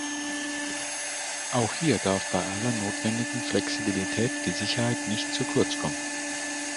Auch hier darf bei aller notwendigen Flexibilität die Sicherheit nicht zu kurz kommen.